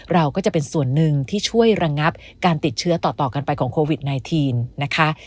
เราก็จะเป็นส่วนหนึ่งที่ช่วยระงับการติดเชื้อต่อกันไปของโควิด๑๙นะคะ